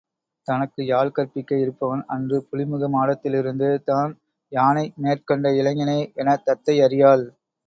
தனக்கு யாழ் கற்பிக்க இருப்பவன், அன்று புலிமுக மாடத்திலிருந்து தான் யானை மேற்கண்ட இளைஞனே எனத் தத்தை அறியாள்.